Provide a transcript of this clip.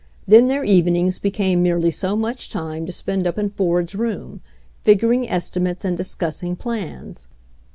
Then their evenings became merely so much time to spend up in Ford's room, figuring estimates and discussing plans.